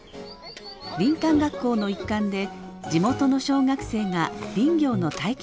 林間学校の一環で地元の小学生が林業の体験学習に来ました。